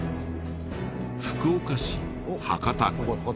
福岡市博多区。